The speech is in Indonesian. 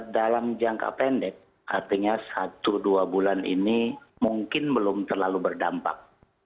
dalam jangka pendek artinya satu dua bulan ini mungkin belum terlalu berdampak